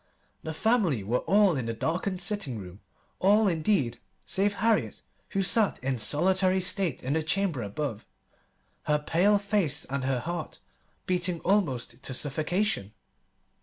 The family were all in the darkened sitting room all, indeed, save Harriet, who sat in solitary state in the chamber above, her face pale and her heart beating almost to suffocation.